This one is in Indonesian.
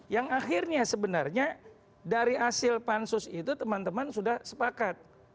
yang akhirnya sebenarnya dari hasil pansus itu teman teman sudah sepakat